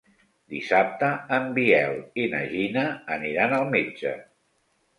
Dissabte en Biel i na Gina aniran al metge.